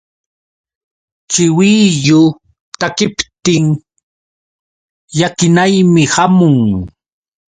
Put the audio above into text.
Chiwillu takiptin llakinaymi hamun.